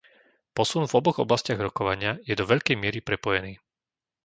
Posun v oboch oblastiach rokovania je do veľkej miery prepojený.